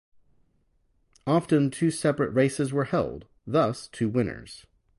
Often two separate races were held, thus two winners.